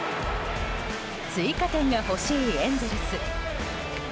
追加点が欲しいエンゼルス。